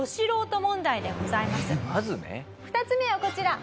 ２つ目はこちら。